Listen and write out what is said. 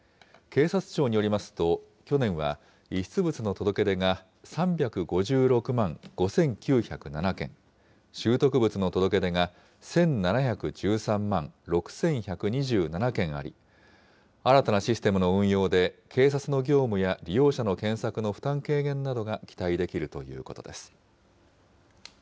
警察庁によりますと、去年は遺失物の届け出が３５６万５９０７件、拾得物の届け出が１７１３万６１２７件あり、新たなシステムの運用で警察の業務や利用者の検索の負担軽減などが期待できるということです。